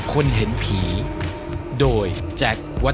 ค่ะ